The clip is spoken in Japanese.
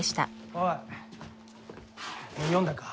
おい読んだか？